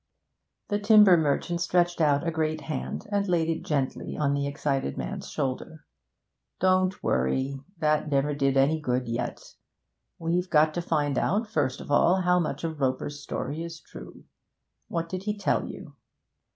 The timber merchant stretched out a great hand, and laid it gently on the excited man's shoulder. 'Don't worry; that never did any good yet. We've got to find out, first of all, how much of Roper's story is true. What did he tell you?'